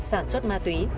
sản xuất ma túy